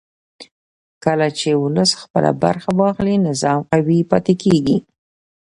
کله چې ولس خپله برخه واخلي نظام قوي پاتې کېږي